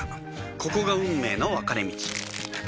ここが運命の分かれ道